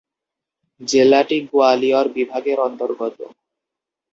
জেলাটি গোয়ালিয়র বিভাগের অন্তর্গত।